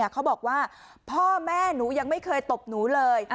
เขาบอกว่าพ่อแม่หนูยังไม่เคยตบหนูเลย